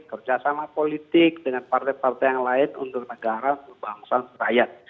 kerjasama politik dengan partai partai yang lain untuk negara untuk bangsa rakyat